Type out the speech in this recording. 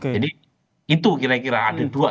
jadi itu kira kira ada dua tantangan